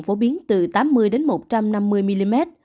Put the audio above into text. phổ biến từ tám mươi đến một trăm năm mươi mm